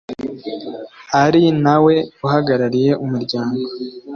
ari na we uhagarariye umuryango